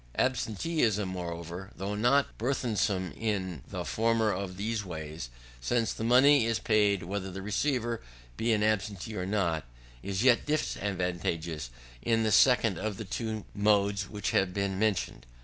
Absenteeism, moreover, though not burthensome in the former of these ways, since the money is paid whether the receiver be an absentee or not, is yet disadvantageous in the second of the two modes which have been mentioned.